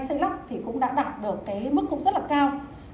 xây lóc thì cũng đã đạt được cái mức cũng rất là cao